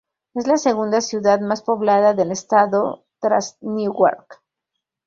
Es la segunda ciudad más poblada del estado tras Newark.